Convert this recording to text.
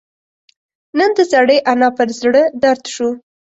نن د زړې انا پر زړه دړد شو